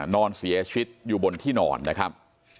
นอนเสียชีวิตอยู่บนที่นอนนะครับ